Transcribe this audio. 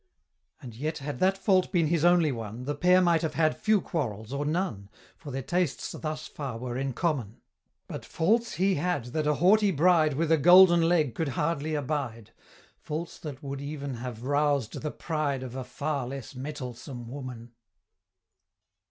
And yet had that fault been his only one, The Pair might have had few quarrels or none, For their tastes thus far were in common; But faults he had that a haughty bride With a Golden Leg could hardly abide Faults that would even have roused the pride Of a far less metalsome woman!